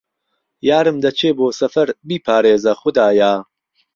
یارم دهچێ بۆ سهفهر بیپارێزه خودایا